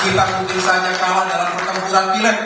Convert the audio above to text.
kita mungkin saja kalah dalam pertempuran bilek